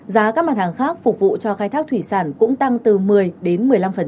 giá các mặt hàng khác phục vụ cho khai thác thủy sản cũng tăng từ một mươi đến một mươi năm